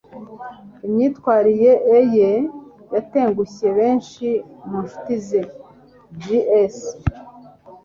Imyitwarire ye yatengushye benshi mu nshuti ze. (J_S)